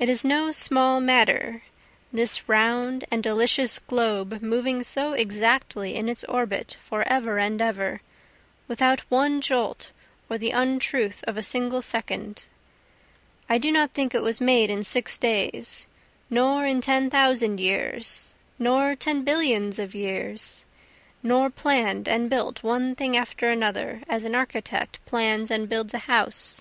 It is no small matter, this round and delicious globe moving so exactly in its orbit for ever and ever, without one jolt or the untruth of a single second, I do not think it was made in six days, nor in ten thousand years, nor ten billions of years, Nor plann'd and built one thing after another as an architect plans and builds a house.